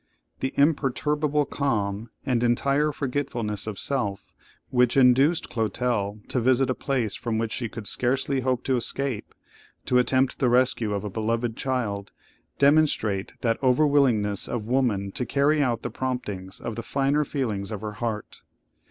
The imperturbable calm and entire forgetfulness of self which induced Clotel to visit a place from which she could scarcely hope to escape, to attempt the rescue of a beloved child, demonstrate that overwillingness of woman to carry out the promptings of the finer feelings of her heart.